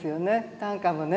短歌もね。